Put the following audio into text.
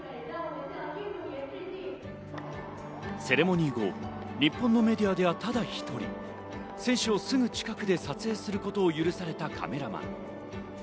セレモニー後、日本のメディアではただ１人、選手をすぐ近くで撮影することを許されたカメラマン。